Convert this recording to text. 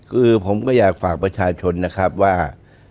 คือผมก็อยากฝากประชาชนนะครับว่า